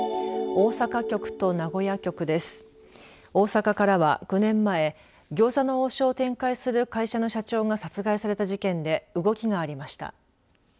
大阪からは、９年前餃子の王将を展開する会社の社長が殺害された事件で動きがありました。